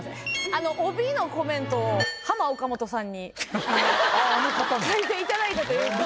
あの帯のコメントをハマ・オカモトさんに書いていただいたという事で。